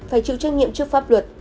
phải chịu trách nhiệm trước pháp luật